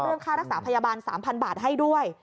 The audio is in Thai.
เรื่องฆ่ารักษาพยาบาล๓๐๐๐บาทให้ด้วย